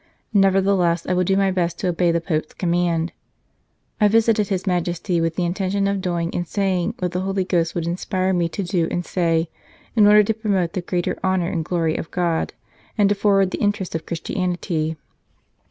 Nevertheless, I will do my best to obey the Pope s command : I visited His Majesty with the intention of doing and saying what the Holy Ghost would inspire me to do and say in order to promote the greater honour and 118 The Most Christian King glory of God, and to forward the interests of Christianity.